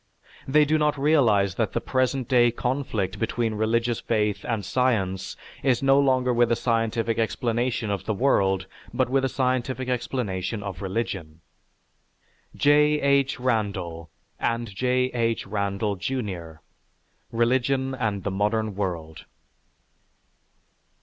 They do not realize that the present day conflict between religious faith and science is no longer with a scientific explanation of the world, but with a scientific explanation of religion." (_J. H. Randall and J. H. Randall, Jr.: "Religion and the Modern World."